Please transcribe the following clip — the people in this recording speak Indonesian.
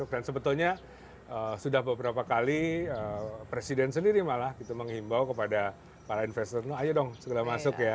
sebetulnya sudah beberapa kali presiden sendiri malah menghimbau kepada para investor ayo dong segera masuk ya